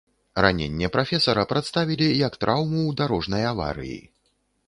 Раненне прафесара прадставілі як траўму ў дарожнай аварыі.